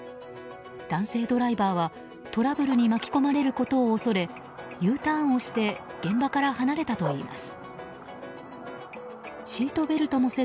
男性ドライバーは、トラブルに巻き込まれることを恐れＵターンをして現場から離れたといいます。